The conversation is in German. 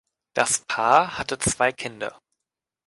Das Paar hatte zwei Kinder.